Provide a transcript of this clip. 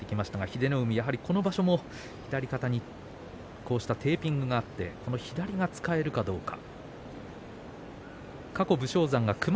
英乃海、この場所左肩にテーピングがあって左が使えるかどうか。